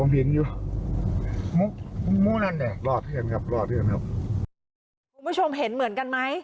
คุณผู้ชมเห็นเหมือนกันไหม